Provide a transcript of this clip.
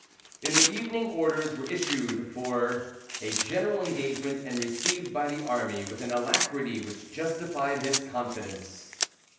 In the evening orders were issued for a general engagement, and received by the army with an alacrity which justified his confidence.